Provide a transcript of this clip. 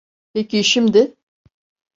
Peki şimdi?